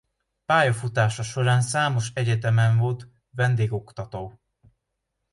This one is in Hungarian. Pályafutása során számos egyetemen volt vendégoktató.